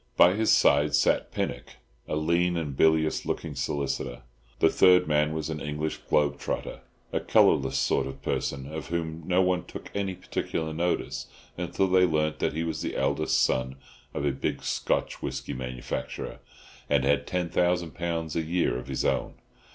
By his side sat Pinnock, a lean and bilious looking solicitor; the third man was an English globe trotter, a colourless sort of person, of whom no one took any particular notice until they learnt that he was the eldest son of a big Scotch whisky manufacturer, and had £10,000 a year of his own.